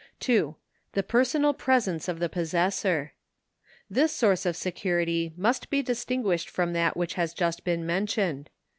2. The personal presence of the possessor. This source of security must be distinguished from that which has just been mentioned.